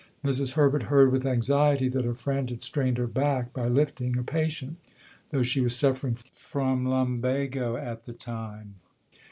Mrs. Herbert heard with anxiety that her friend had strained her back by lifting a patient, though she was suffering from lumbago at the time.